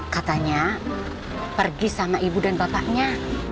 katanya pergi sama ibu dan bapaknya